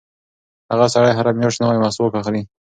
هغه سړی هره میاشت نوی مسواک اخلي.